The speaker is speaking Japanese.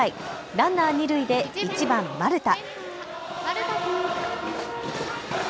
ランナー二塁で１番・丸田。